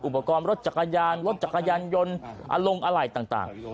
อุปกรณ์รถจักรยานรถจักรยานยนต์อารมณ์อะไรต่าง